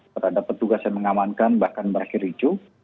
terhadap petugas yang mengamankan bahkan berakhir ricu